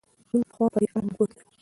موږ پخوا په دې اړه نه پوهېدو.